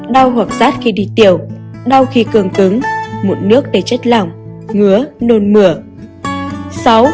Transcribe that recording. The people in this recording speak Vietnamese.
đau hoặc rát khi đi tiểu đau khi cường cứng mụn nước đầy chất lỏng ngứa nôn mửa